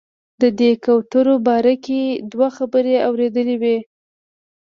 د دې کوترو باره کې دوه خبرې اورېدلې وې.